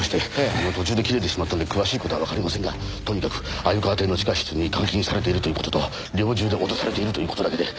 でも途中で切れてしまったんで詳しい事はわかりませんがとにかく鮎川邸の地下室に監禁されているという事と猟銃で脅されているという事だけで。